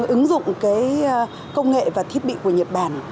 ứng dụng công nghệ và thiết bị của nhật bản